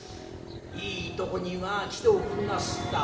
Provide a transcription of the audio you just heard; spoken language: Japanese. いいとこに来ておくんなすった。